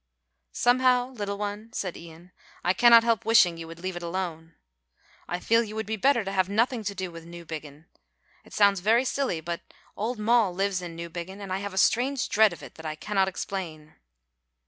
"Somehow, little one," said Ian, "I cannot help wishing you would leave it alone. I feel you would be better to have nothing to do with Newbiggin. It sounds very silly, but old Moll lives in Newbiggin, and I have a strange dread of it that I cannot explain."